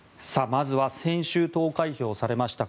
まずは先週、投開票されました